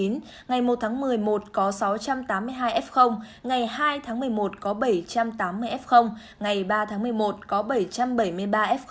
ngày một tháng một mươi một có sáu trăm tám mươi hai f ngày hai tháng một mươi một có bảy trăm tám mươi f ngày ba tháng một mươi một có bảy trăm bảy mươi ba f một